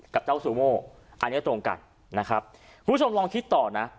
กับเจ้าซูโม่อันนี้ตรงกันนะครับคุณผู้ชมลองคิดต่อนะ